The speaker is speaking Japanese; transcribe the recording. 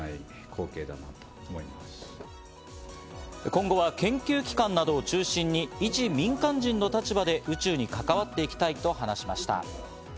今後は研究機関などを中心にいち民間人の立場で宇宙に関わっていきたいと話しました。